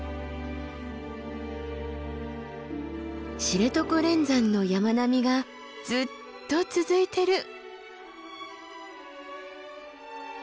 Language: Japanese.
知床連山の山並みがずっと続いてる。